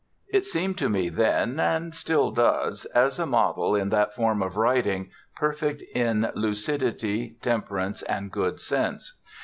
It seemed to me then, and still does, as a model in that form of writing, perfect in lucidity, temperance and good sense.